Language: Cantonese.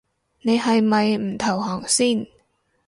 你係咪唔投降先